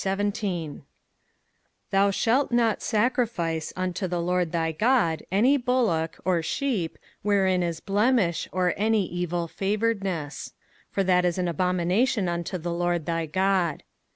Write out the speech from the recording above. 05:017:001 Thou shalt not sacrifice unto the LORD thy God any bullock, or sheep, wherein is blemish, or any evilfavouredness: for that is an abomination unto the LORD thy God.